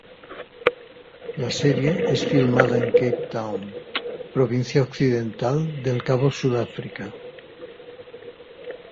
La serie es filmada en Cape Town, Provincia Occidental del Cabo, Sudáfrica.